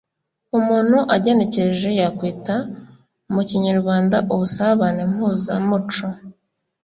umuntu agenekereje yakwita mu kinyarwanda Ubusabane mpuzamuco